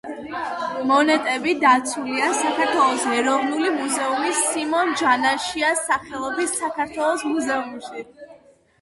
მონეტები დაცულია საქართველოს ეროვნული მუზეუმის სიმონ ჯანაშიას სახელობის საქართველოს მუზეუმში.